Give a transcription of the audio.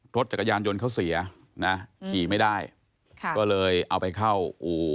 รถจักรยานยนต์เขาเสียนะขี่ไม่ได้ค่ะก็เลยเอาไปเข้าอู่